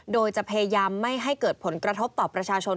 โดยจะพยายามไม่ให้เกิดผลกระทบต่อประชาชน